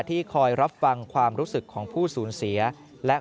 ที่คอยรับฟังความรู้สึกของผู้สูญเสียและ